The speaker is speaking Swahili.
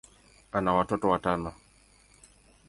ana watoto watano.